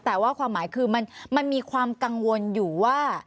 แต่ว่าความหมายคือมันมีความกังวลอยู่ว่า